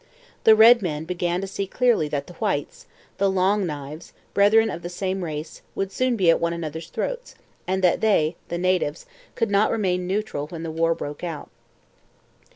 The red man began to see clearly that the whites, the 'Long Knives,' brethren of the same race, would soon be at one another's throats, and that they, the natives, could not remain neutral when the war broke out.